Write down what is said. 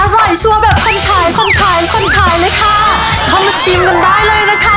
อร่อยชัวร์แบบคนขายคนไทยคนขายเลยค่ะเข้ามาชิมกันได้เลยนะคะ